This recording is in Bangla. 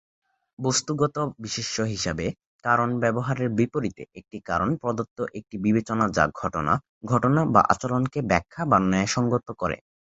বস্তুগত বিশেষ্য হিসাবে "কারণ" ব্যবহারের বিপরীতে, একটি কারণ প্রদত্ত একটি বিবেচনা যা ঘটনা, ঘটনা বা আচরণকে ব্যাখ্যা বা ন্যায়সঙ্গত করে।